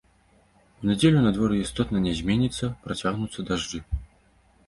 У нядзелю надвор'е істотна не зменіцца, працягнуцца дажджы.